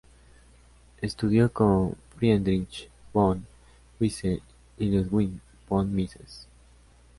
Estudió con Friedrich von Wieser y Ludwig von Mises.